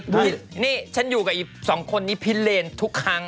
นี่ฉันอยู่กับอีกสองคนนี้พิเลนทุกครั้ง